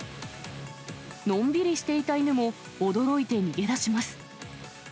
のんびりしていた犬も、驚いて逃げ出します。